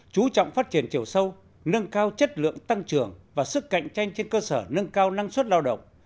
chú trọng phát triển chiều sâu nâng cao chất lượng tăng trưởng và sức cạnh tranh trên cơ sở nâng cao năng suất lao động